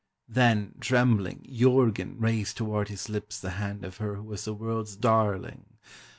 Then, trembling, Jurgen raised toward his lips the hand of her who was the world's darling....